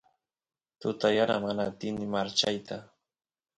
tuta yana mana atini marchayta